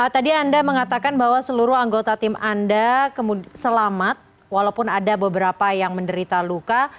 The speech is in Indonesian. tadi anda mengatakan bahwa seluruh anggota tim anda selamat walaupun ada beberapa yang menderita luka